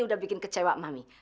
sudah bikin kecewa mami